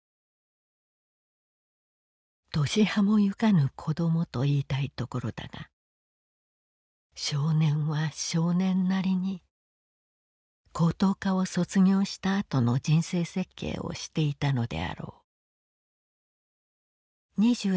「年端もゆかぬ子供といいたいところだが少年は少年なりに高等科を卒業したあとの人生設計をしていたのであろう」。